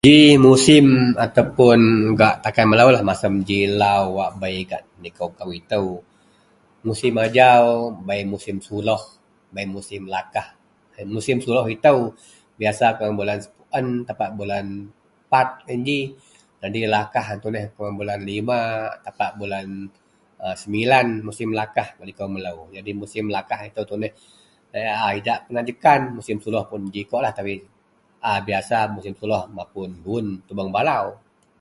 Ji musim ataupuon gak takan melo masem ji lau wak bei gak liko akou musim ajau bei musim suloh bei musim lakah musim suloh ito biyasa bulan peluen tapak bulan pat iyen ji jadi lakah iyen tuneh kuman bulan lima tapak bulan semilan musim lakah liko melo jadi musim laei a idak kena jekan musim suloh iyen ji kawak a biyasa mapun guwon tubeang balau.